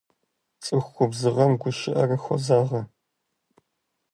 ЦӀыху губзыгъэм гушыӀэр хозагъэ.